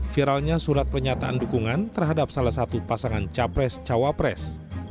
viralnya surat pernyataan dukungan terhadap salah satu pasangan capres cawapres